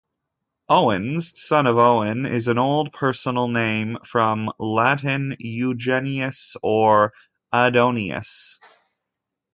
Owens, son of Owen, is an old personal name from Latin Eugenius or Audoenus.